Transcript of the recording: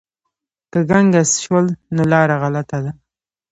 که ګنګس شول نو لاره غلطه ده.